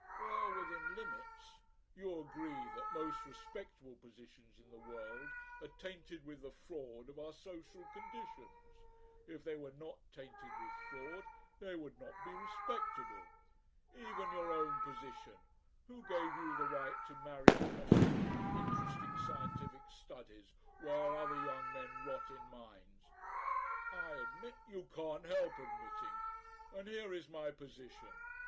"Well within limits." "You agree that most respectable positions in the world are tainted with the fraud of our social conditions. If they were not tainted with fraud they would not be respectable. Even your own position Who gave you the right to marry and prosecute interesting scientific studies while other young men rot in mines?" "I admit " "You can't help admitting. And here is my position.